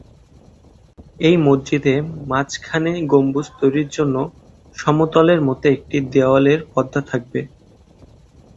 এই মসজিদে মাঝখানে গম্বুজ তৈরির জন্য সমতলের মত একটি দেয়ালের পর্দা থাকবে।